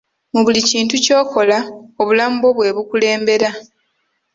Mu buli kintu ky'okola, obulamu bwo bwe bukulembera.